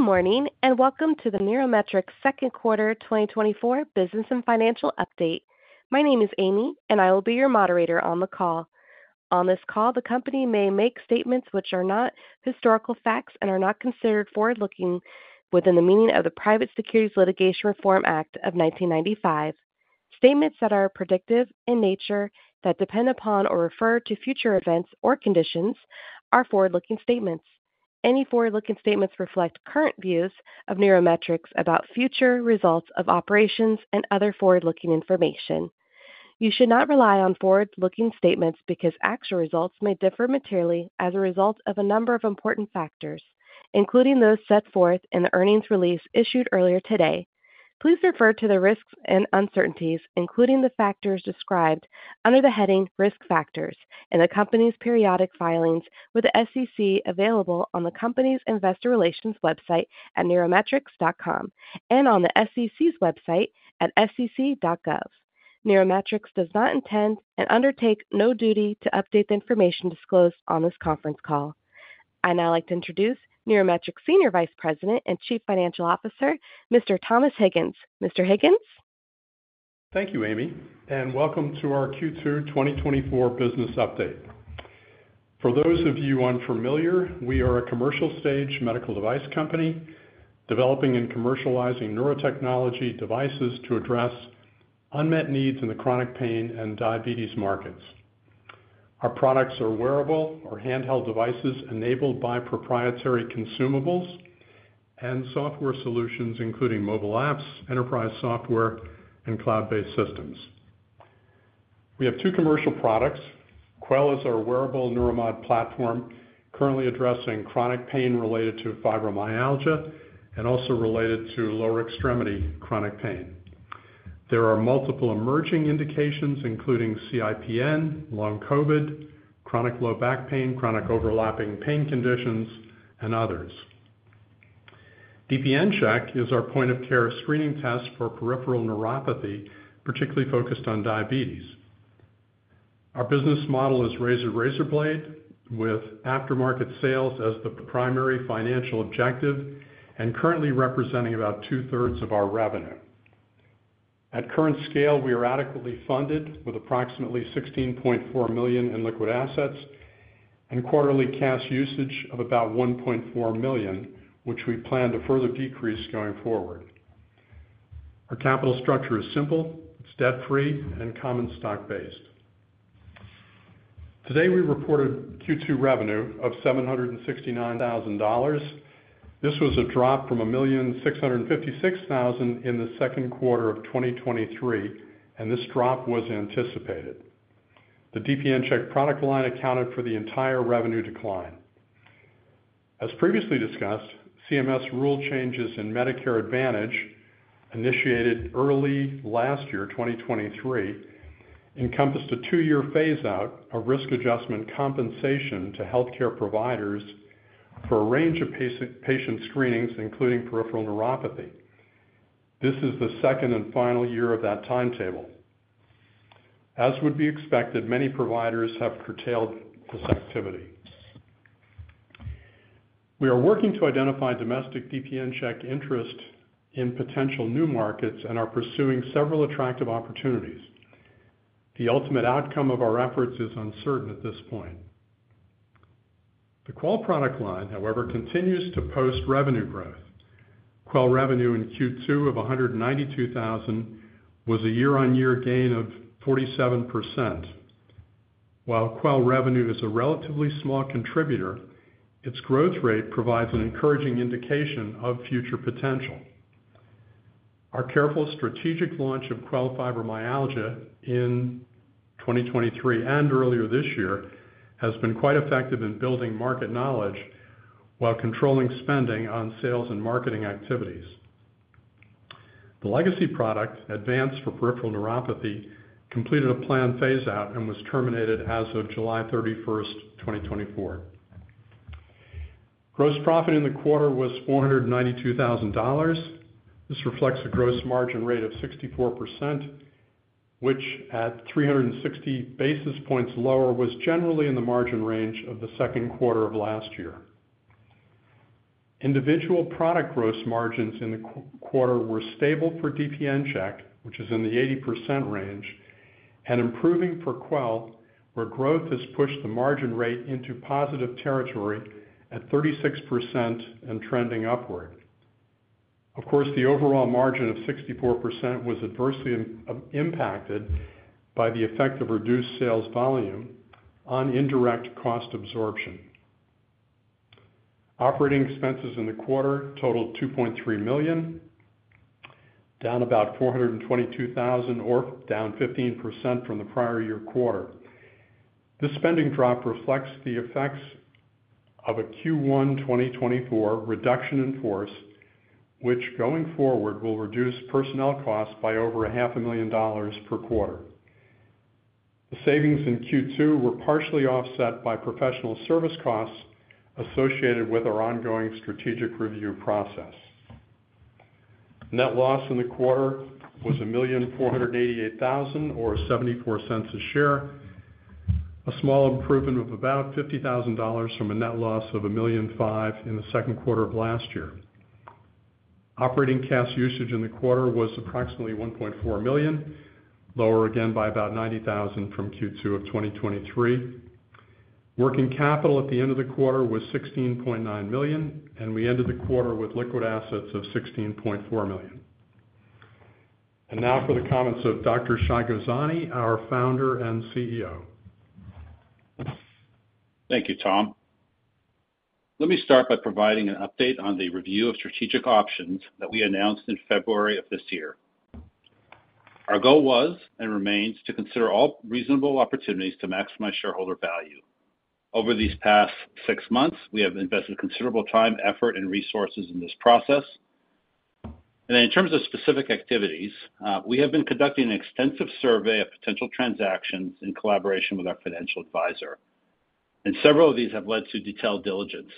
Good morning and welcome to the NeuroMetrix second quarter 2024 business and financial update. My name is Amy, and I will be your moderator on the call. On this call, the company may make statements which are not historical facts and are not considered forward-looking within the meaning of the Private Securities Litigation Reform Act of 1995. Statements that are predictive in nature that depend upon or refer to future events or conditions are forward-looking statements. Any forward-looking statements reflect current views of NeuroMetrix about future results of operations and other forward-looking information. You should not rely on forward-looking statements because actual results may differ materially as a result of a number of important factors, including those set forth in the earnings release issued earlier today. Please refer to the risks and uncertainties, including the factors described under the heading Risk Factors, in the company's periodic filings with the SEC available on the company's investor relations website at neurometrix.com and on the SEC's website at sec.gov. NeuroMetrix does not intend and undertake no duty to update the information disclosed on this conference call. I'd now like to introduce NeuroMetrix Senior Vice President and Chief Financial Officer, Mr. Thomas Higgins. Mr. Higgins? Thank you, Amy, and welcome to our Q2 2024 business update. For those of you unfamiliar, we are a commercial-stage medical device company developing and commercializing neurotechnology devices to address unmet needs in the chronic pain and diabetes markets. Our products are wearable or handheld devices enabled by proprietary consumables and software solutions, including mobile apps, enterprise software, and cloud-based systems. We have two commercial products. Quell is our wearable Neuromodulation platform currently addressing chronic pain related to fibromyalgia and also related to lower extremity chronic pain. There are multiple emerging indications, including CIPN, long COVID, chronic low back pain, chronic overlapping pain conditions, and others. DPNCheck is our point-of-care screening test for peripheral neuropathy, particularly focused on diabetes. Our business model is razor-to-razor blade, with aftermarket sales as the primary financial objective and currently representing about two-thirds of our revenue. At current scale, we are adequately funded with approximately $16.4 million in liquid assets and quarterly cash usage of about $1.4 million, which we plan to further decrease going forward. Our capital structure is simple. It's debt-free and common stock-based. Today, we reported Q2 revenue of $769,000. This was a drop from $1,656,000 in the second quarter of 2023, and this drop was anticipated. The DPNCheck product line accounted for the entire revenue decline. As previously discussed, CMS rule changes in Medicare Advantage initiated early last year, 2023, encompassed a two-year phase-out of risk adjustment compensation to healthcare providers for a range of patient screenings, including peripheral neuropathy. This is the second and final year of that timetable. As would be expected, many providers have curtailed this activity. We are working to identify domestic DPNCheck interest in potential new markets and are pursuing several attractive opportunities. The ultimate outcome of our efforts is uncertain at this point. The Quell product line, however, continues to post revenue growth. Quell revenue in Q2 of $192,000 was a year-on-year gain of 47%. While Quell revenue is a relatively small contributor, its growth rate provides an encouraging indication of future potential. Our careful strategic launch of Quell Fibromyalgia in 2023 and earlier this year has been quite effective in building market knowledge while controlling spending on sales and marketing activities. The legacy product, ADVANCE for peripheral neuropathy, completed a planned phase-out and was terminated as of July 31, 2024. Gross profit in the quarter was $492,000. This reflects a gross margin rate of 64%, which, at 360 basis points lower, was generally in the margin range of the second quarter of last year. Individual product gross margins in the quarter were stable for DPNCheck, which is in the 80% range, and improving for Quell, where growth has pushed the margin rate into positive territory at 36% and trending upward. Of course, the overall margin of 64% was adversely impacted by the effect of reduced sales volume on indirect cost absorption. Operating expenses in the quarter totaled $2.3 million, down about $422,000 or down 15% from the prior year quarter. This spending drop reflects the effects of a Q1 2024 reduction in force, which going forward will reduce personnel costs by over $500,000 per quarter. The savings in Q2 were partially offset by professional service costs associated with our ongoing strategic review process. Net loss in the quarter was $1,488,000 or $0.74 a share, a small improvement of about $50,000 from a net loss of $1,005,000 in the second quarter of last year. Operating cash usage in the quarter was approximately $1.4 million, lower again by about $90,000 from Q2 of 2023. Working capital at the end of the quarter was $16.9 million, and we ended the quarter with liquid assets of $16.4 million. And now for the comments of Dr. Shai Gozani, our founder and CEO. Thank you, Tom. Let me start by providing an update on the review of strategic options that we announced in February of this year. Our goal was and remains to consider all reasonable opportunities to maximize shareholder value. Over these past six months, we have invested considerable time, effort, and resources in this process. In terms of specific activities, we have been conducting an extensive survey of potential transactions in collaboration with our financial advisor, and several of these have led to detailed diligence.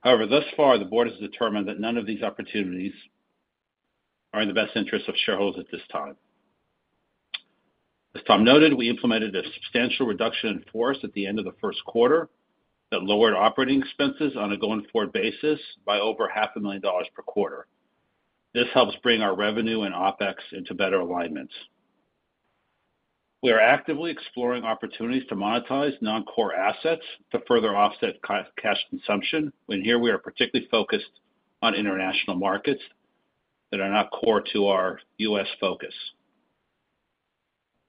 However, thus far, the board has determined that none of these opportunities are in the best interest of shareholders at this time. As Tom noted, we implemented a substantial reduction in force at the end of the first quarter that lowered operating expenses on a going-forward basis by over $500,000 per quarter. This helps bring our revenue and OpEx into better alignments. We are actively exploring opportunities to monetize non-core assets to further offset cash consumption, when here we are particularly focused on international markets that are not core to our U.S. focus.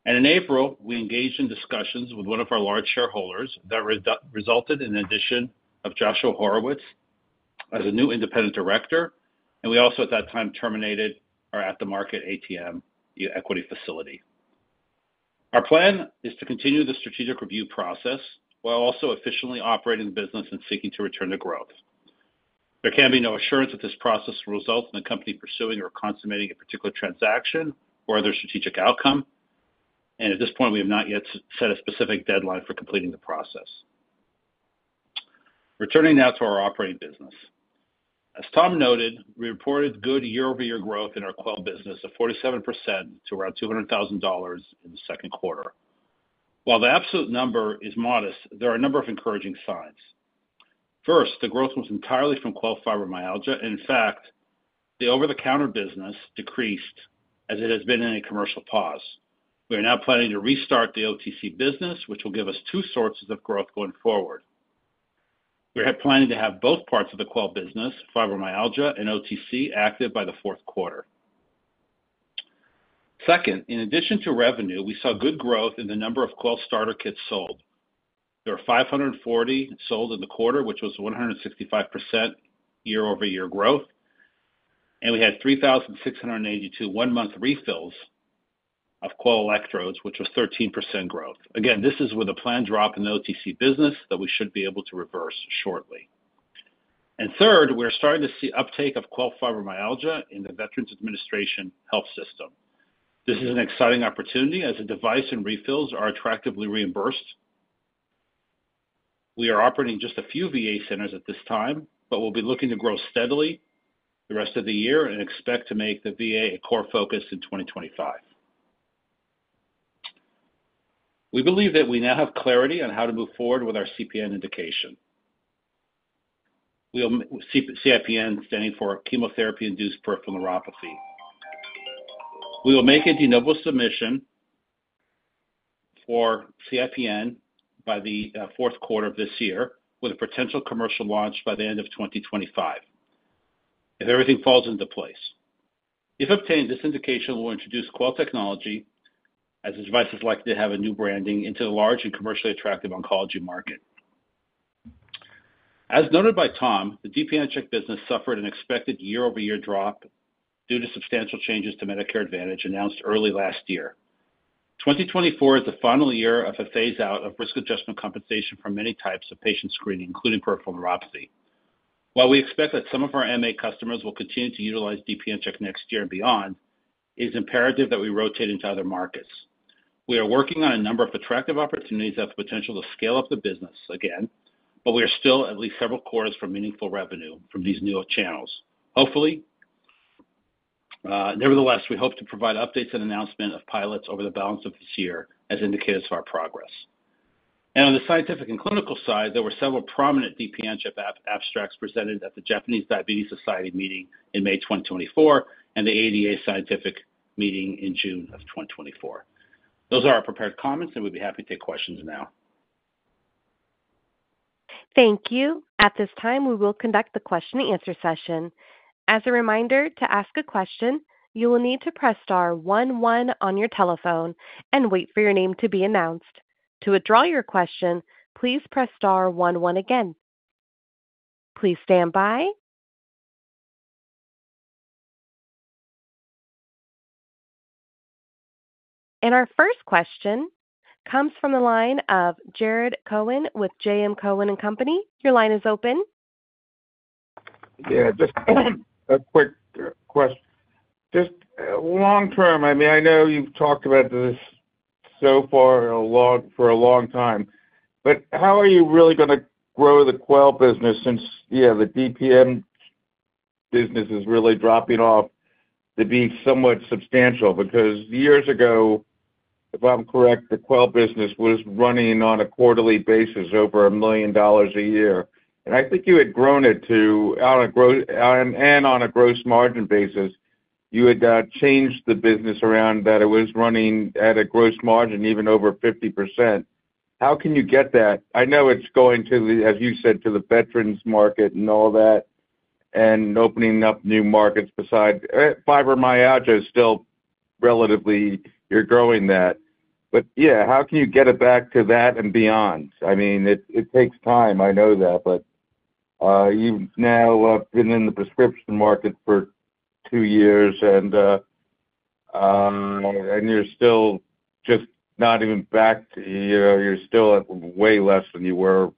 In April, we engaged in discussions with one of our large shareholders that resulted in the addition of Joshua Horowitz as a new independent director, and we also at that time terminated our at-the-market ATM equity facility. Our plan is to continue the strategic review process while also efficiently operating the business and seeking to return to growth. There can be no assurance that this process will result in the company pursuing or consummating a particular transaction or other strategic outcome, and at this point, we have not yet set a specific deadline for completing the process. Returning now to our operating business. As Tom noted, we reported good year-over-year growth in our Quell business of 47% to around $200,000 in the second quarter. While the absolute number is modest, there are a number of encouraging signs. First, the growth was entirely from Quell Fibromyalgia, and in fact, the over-the-counter business decreased as it has been in a commercial pause. We are now planning to restart the OTC business, which will give us two sources of growth going forward. We are planning to have both parts of the Quell business, fibromyalgia and OTC, active by the fourth quarter. Second, in addition to revenue, we saw good growth in the number of Quell starter kits sold. There were 540 sold in the quarter, which was 165% year-over-year growth, and we had 3,682 one-month refills of Quell electrodes, which was 13% growth. Again, this is with a planned drop in the OTC business that we should be able to reverse shortly. And third, we're starting to see uptake of Quell Fibromyalgia in the Veterans Administration health system. This is an exciting opportunity as the device and refills are attractively reimbursed. We are operating just a few VA centers at this time, but we'll be looking to grow steadily the rest of the year and expect to make the VA a core focus in 2025. We believe that we now have clarity on how to move forward with our CIPN indication. CIPN, standing for chemotherapy-induced peripheral neuropathy. We will make a de novo submission for CIPN by the fourth quarter of this year, with a potential commercial launch by the end of 2025, if everything falls into place. If obtained, this indication will introduce Quell technology as the device is likely to have a new branding into the large and commercially attractive oncology market. As noted by Tom, the DPNCheck business suffered an expected year-over-year drop due to substantial changes to Medicare Advantage announced early last year. 2024 is the final year of a phase-out of risk adjustment compensation for many types of patient screening, including peripheral neuropathy. While we expect that some of our MA customers will continue to utilize DPNCheck next year and beyond, it is imperative that we rotate into other markets. We are working on a number of attractive opportunities that have the potential to scale up the business again, but we are still at least several quarters from meaningful revenue from these new channels. Hopefully. Nevertheless, we hope to provide updates and announcements of pilots over the balance of this year as indicators of our progress. On the scientific and clinical side, there were several prominent DPNCheck abstracts presented at the Japanese Diabetes Society meeting in May 2024 and the ADA scientific meeting in June of 2024. Those are our prepared comments, and we'd be happy to take questions now. Thank you. At this time, we will conduct the question-and-answer session. As a reminder, to ask a question, you will need to press star one one on your telephone and wait for your name to be announced. To withdraw your question, please press star one one again. Please stand by. Our first question comes from the line of Jared Cohen with JM Cohen & Company. Your line is open. Jared, just a quick question. Just long-term, I mean, I know you've talked about this so far for a long time, but how are you really going to grow the Quell business since, yeah, the DPN business is really dropping off to be somewhat substantial? Because years ago, if I'm correct, the Quell business was running on a quarterly basis over $1 million a year. And I think you had grown it to, and on a gross margin basis, you had changed the business around that it was running at a gross margin even over 50%. How can you get that? I know it's going to, as you said, to the veterans market and all that and opening up new markets besides fibromyalgia is still relatively you're growing that. But yeah, how can you get it back to that and beyond? I mean, it takes time, I know that, but you've now been in the prescription market for 2 years, and you're still just not even back to, you're still way less than you were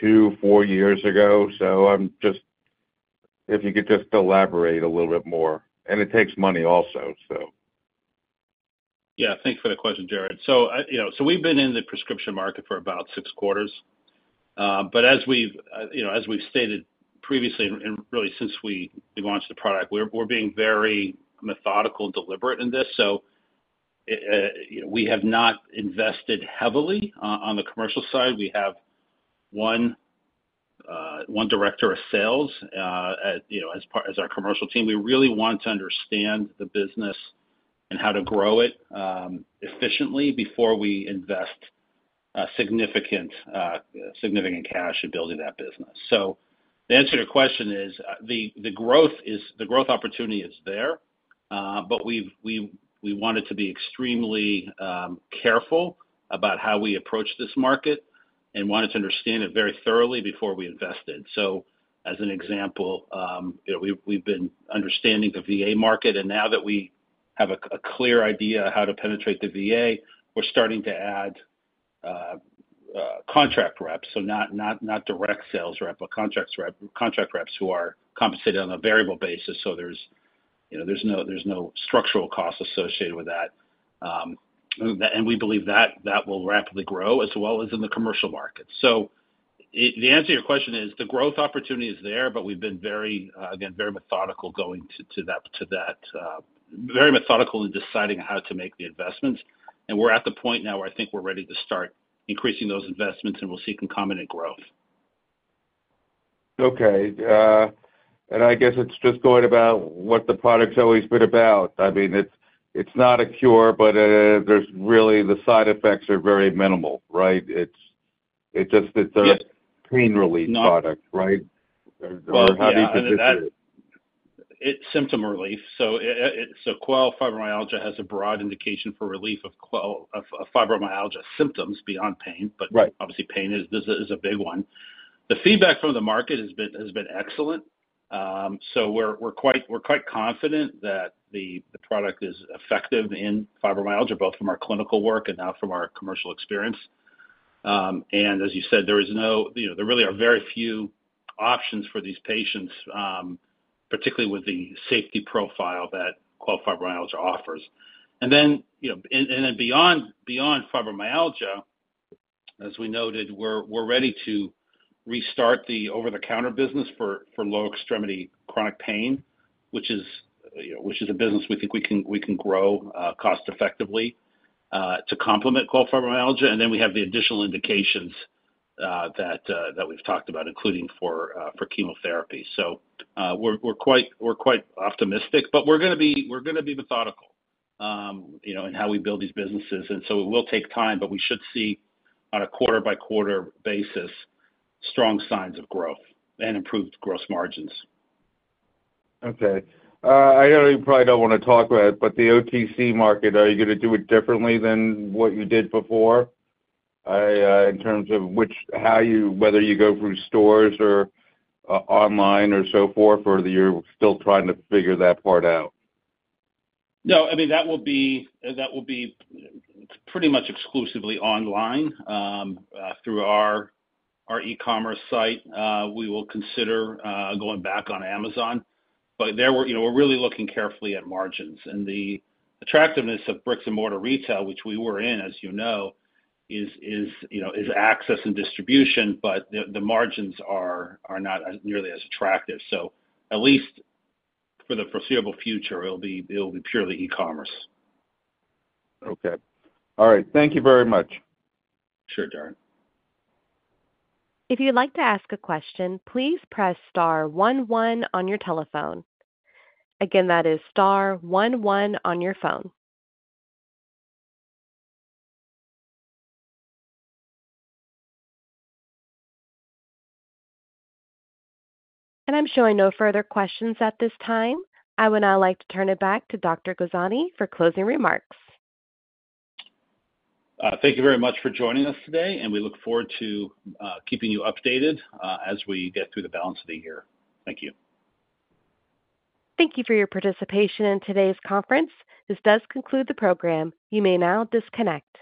2, 4 years ago. So I'm just, if you could just elaborate a little bit more. And it takes money also, so. Yeah, thanks for the question, Jared. So we've been in the prescription market for about 6 quarters. But as we've stated previously and really since we launched the product, we're being very methodical and deliberate in this. So we have not invested heavily on the commercial side. We have one director of sales as our commercial team. We really want to understand the business and how to grow it efficiently before we invest significant cash in building that business. So the answer to your question is the growth opportunity is there, but we wanted to be extremely careful about how we approach this market and wanted to understand it very thoroughly before we invested. So as an example, we've been understanding the VA market, and now that we have a clear idea of how to penetrate the VA, we're starting to add contract reps. So not direct sales rep, but contract reps who are compensated on a variable basis. So there's no structural cost associated with that. And we believe that that will rapidly grow as well as in the commercial market. So the answer to your question is the growth opportunity is there, but we've been very, again, very methodical going to that, very methodical in deciding how to make the investments. And we're at the point now where I think we're ready to start increasing those investments, and we'll see concomitant growth. Okay. And I guess it's just going about what the product's always been about. I mean, it's not a cure, but there's really the side effects are very minimal, right? It's just a pain relief product, right? Or how do you position it? Symptom relief. Quell Fibromyalgia has a broad indication for relief of Fibromyalgia symptoms beyond pain, but obviously pain is a big one. The feedback from the market has been excellent. We're quite confident that the product is effective in Fibromyalgia, both from our clinical work and now from our commercial experience. As you said, there really are very few options for these patients, particularly with the safety profile that Quell Fibromyalgia offers. Beyond Fibromyalgia, as we noted, we're ready to restart the over-the-counter business for lower extremity chronic pain, which is a business we think we can grow cost-effectively to complement Quell Fibromyalgia. We have the additional indications that we've talked about, including for chemotherapy. We're quite optimistic, but we're going to be methodical in how we build these businesses. And so it will take time, but we should see on a quarter-by-quarter basis strong signs of growth and improved gross margins. Okay. I know you probably don't want to talk about it, but the OTC market, are you going to do it differently than what you did before in terms of how you whether you go through stores or online or so forth, or you're still trying to figure that part out? No, I mean, that will be pretty much exclusively online through our e-commerce site. We will consider going back on Amazon. But we're really looking carefully at margins. And the attractiveness of bricks-and-mortar retail, which we were in, as you know, is access and distribution, but the margins are not nearly as attractive. So at least for the foreseeable future, it'll be purely e-commerce. Okay. All right. Thank you very much. Sure, Jared. If you'd like to ask a question, please press star one one on your telephone. Again, that is star one one on your phone. I'm showing no further questions at this time. I would now like to turn it back to Dr. Gozani for closing remarks. Thank you very much for joining us today, and we look forward to keeping you updated as we get through the balance of the year. Thank you. Thank you for your participation in today's conference. This does conclude the program. You may now disconnect.